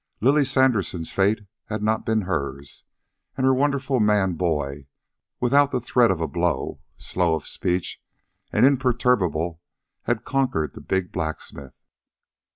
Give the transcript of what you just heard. Lily Sanderson's fate had not been hers, and her wonderful man boy, without the threat of a blow, slow of speech and imperturbable, had conquered the big blacksmith.